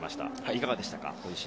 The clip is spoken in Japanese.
いかがでしたか？